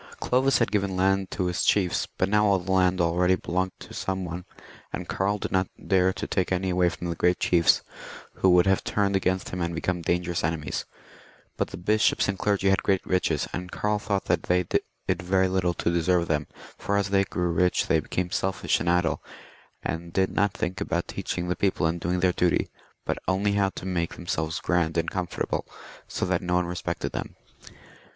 Clovis had given land to his chiefs, but now all the land already belonged to some one, and Karl did not dare to take any away from the great chiefs, who would have turned against him and become dangerous enemies. But the bishops and clergy had great riches, and Karl thought that they did very little to deserve them, for as they grew rich they became selfish and idle, and did not think about teaching the people and doing their duty, but only how to make themselves grand and comfortable, so that no one respected them.